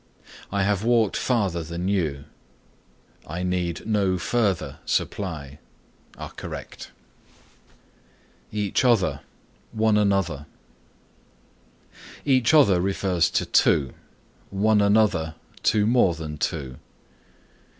"I have walked farther than you," "I need no further supply" are correct. EACH OTHER ONE ANOTHER Each other refers to two, one another to more than two.